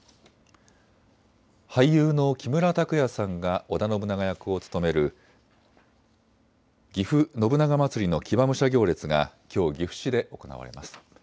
俳優の木村拓哉さんが織田信長役を務めるぎふ信長まつりの騎馬武者行列がきょう、岐阜市で行われます。